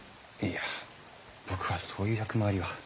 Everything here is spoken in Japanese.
いや僕はそういう役回りは。